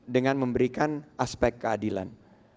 dengan memberikan aspek keadilan